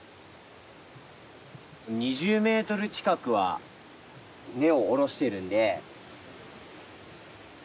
２０メートル近くは根を下ろしてるんで。